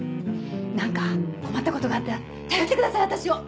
何か困ったことがあったら頼ってください私を。